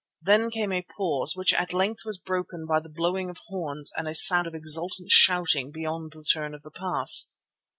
Then came a pause, which at length was broken by the blowing of horns and a sound of exultant shouting beyond the turn of the pass.